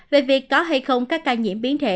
về việc có hay không các ca nhiễm biến thể